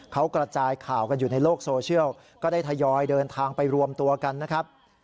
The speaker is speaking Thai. เขากระจายข่าวกันอยู่ในโลกโซเชียลก็ได้ทยอยเดินทางไปรวมตัวกันนะครับ